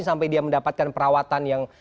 sampai dia mendapatkan perawatan yang